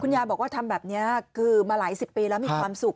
ยายบอกว่าทำแบบนี้คือมาหลายสิบปีแล้วมีความสุข